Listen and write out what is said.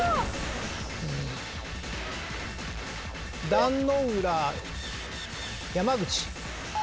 壇ノ浦山口。